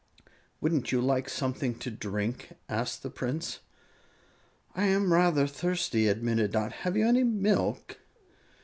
"Wouldn't you like something to drink?" asked the Prince. "I am rather thirsty," admitted Dot; "have you any milk?"